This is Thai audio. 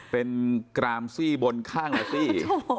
เป็นกรามซี่บนข้างหน้าซี่